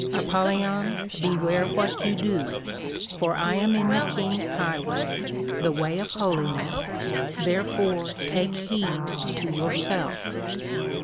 Apollyon, beware what you do, for I am in the King's High way, the way of Holiness, therefore take heed to yourself.